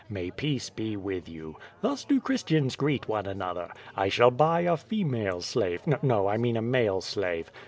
May peace be with you! thus do Christians greet one another. I shall buy a female slave. No, I mean a male slave.